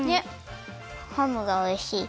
ハムがおいしい。